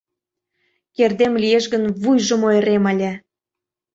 Кердем лиеш гын, вуйжым ойырем ыле!..